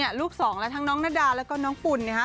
ลูกสองแล้วทั้งน้องนาดาแล้วก็น้องปุ่นนะฮะ